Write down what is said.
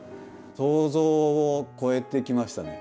想像を超えてきましたね。